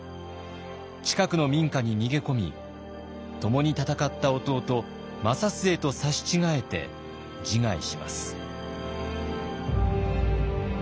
近くの民家に逃げ込み共に戦った弟正季と刺し違えて自害します。